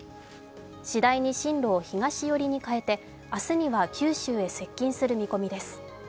次第に進路を東寄りに変えて明日には九州へ接近する見込みです。